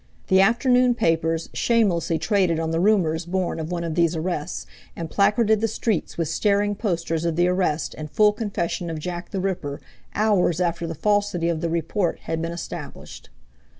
The afternoon papers shamelessly traded on the rumors born of one of these arrests and placarded the streets with staring posters of the arrest and full confession of Jack the Ripper hours after the falsity of the report had been established.